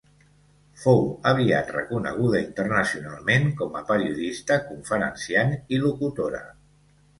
Fou aviat reconeguda internacionalment com a periodista, conferenciant i locutora.